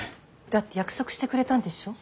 だって約束してくれたんでしょう。